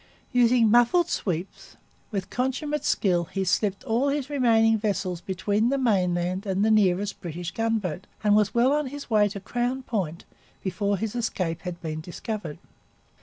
Using muffled sweeps, with consummate skill he slipped all his remaining vessels between the mainland and the nearest British gunboat, and was well on his way to Crown Point before his escape had been discovered.